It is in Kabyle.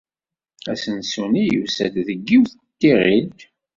Asensu-nni yusa-d deg yiwet n tiɣilt.